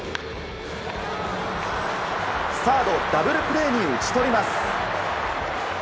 サード、ダブルプレーに打ち取ります。